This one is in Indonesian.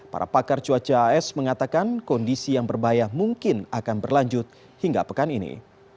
para pakar cuaca as mengatakan kondisi yang berbahaya mungkin akan berlanjut hingga pekan ini